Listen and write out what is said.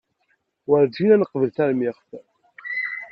Wurǧin ad neqbel taremmiɣt.